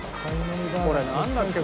これなんだっけ？